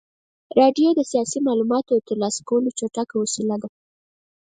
راډیو د سیاسي معلوماتو د ترلاسه کولو چټکه وسیله وه.